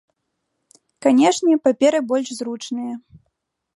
Канешне, паперы больш зручныя.